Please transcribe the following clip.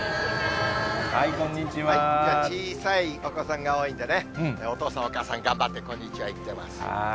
小さいお子さんが多いんでね、お父さん、お母さん、頑張ってこんにちは言ってます。